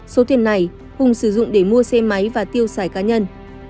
số tiền này hùng sử dụng để mua xe máy và tiêu xài cá nhân